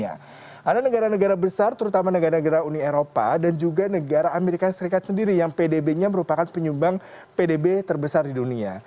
ada negara negara besar terutama negara negara uni eropa dan juga negara amerika serikat sendiri yang pdb nya merupakan penyumbang pdb terbesar di dunia